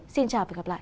xin chào và hẹn gặp lại